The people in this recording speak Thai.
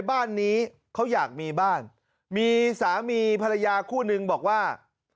บ้านนี้เขาอยากมีบ้านมีสามีภรรยาคู่นึงบอกว่า